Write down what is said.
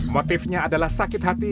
motifnya adalah sakit hati